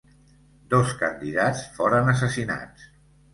Dos candidats foren assassinats.